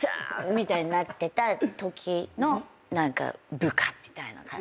みたいになってたときの部下みたいな感じ。